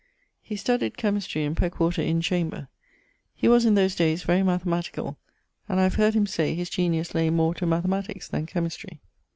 He studied chymistry in Peckwater Inne chamber. He was in those dayes very mathematicall, and I have heard him say his genius lay more to mathematics then chymistry.